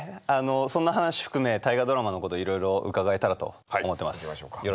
そんな話含め「大河ドラマ」のこといろいろ伺えたらと思ってます。